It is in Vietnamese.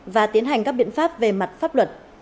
và tiến hành các biện pháp về mặt pháp luật